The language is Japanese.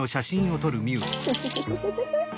フフフフフフ。